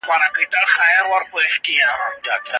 ما په خپل یادښت کې د هغې پته ولیکه.